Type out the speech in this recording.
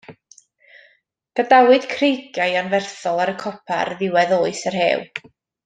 Gadawyd creigiau anferthol ar y copa ar ddiwedd Oes y Rhew.